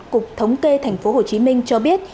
cục thống kê thành phố hồ chí minh cho biết